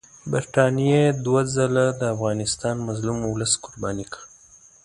برټانیې دوه ځله د افغانستان مظلوم اولس قرباني کړ.